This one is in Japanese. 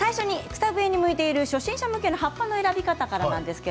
草笛に向いている初心者向けの葉っぱの選び方です。